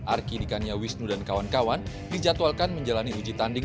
arkidikannya wisnu dan kawan kawan dijadwalkan menjalani uji tanding